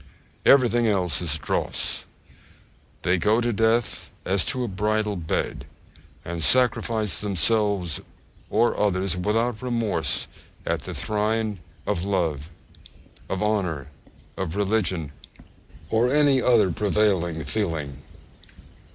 Everything else is dross. They go to death as to a bridal bed, and sacrifice themselves or others without remorse at the shrine of love, of honour, of religion, or any other prevailing feeling.